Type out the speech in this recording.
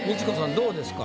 どうですか？